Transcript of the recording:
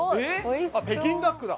北京ダックだ。